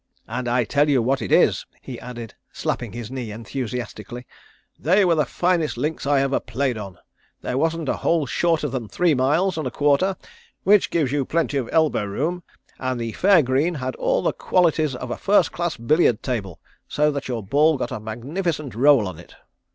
And I tell you what it is," he added, slapping his knee enthusiastically, "they were the finest links I ever played on. There wasn't a hole shorter than three miles and a quarter, which gives you plenty of elbow room, and the fair green had all the qualities of a first class billiard table, so that your ball got a magnificent roll on it."